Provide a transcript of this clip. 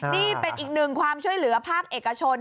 นี่เป็นอีกหนึ่งความช่วยเหลือภาคเอกชน